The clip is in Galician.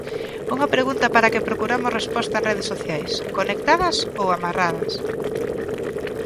Unha pregunta para a que procuramos resposta en Redes Sociais: conectadas ou amarradas?